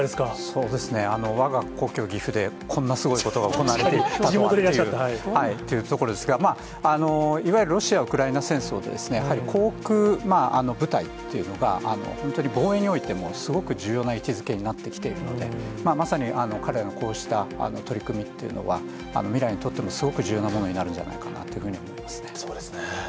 そうですね、わが故郷、岐阜でこんなすごいことが行われていたとは、というところですが、いわゆるロシア・ウクライナ戦争で、やはり航空部隊というのが、本当に防衛においても、すごく重要な位置づけになってきているので、まさに彼らのこうした取り組みっていうのは、未来にとってもすごく重要なものになるんじゃないかなと思いますそうですね。